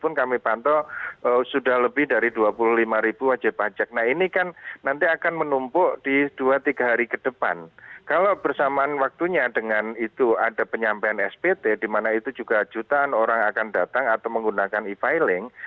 kalau bersamaan waktunya dengan itu ada penyampaian spt di mana itu juga jutaan orang akan datang atau menggunakan e filing